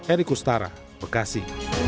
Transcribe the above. erick ustara bekasi